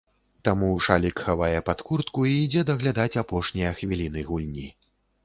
Таму шалік хавае пад куртку і ідзе даглядаць апошнія хвіліны гульні.